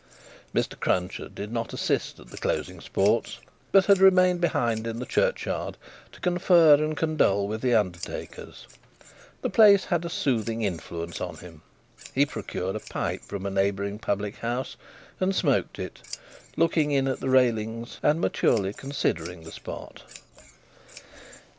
Mr. Cruncher did not assist at the closing sports, but had remained behind in the churchyard, to confer and condole with the undertakers. The place had a soothing influence on him. He procured a pipe from a neighbouring public house, and smoked it, looking in at the railings and maturely considering the spot.